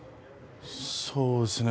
そうですね